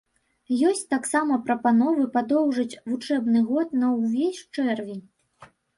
Ёсць таксама прапановы падоўжыць вучэбны год на ўвесь чэрвень.